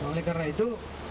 oleh karena itu